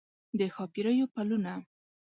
د ښاپیریو پلونه